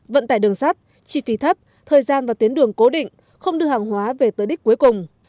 vận tải đường sắt chi phí thấp thời gian và tuyến đường cố định không đưa hàng hóa về tới đích cuối cùng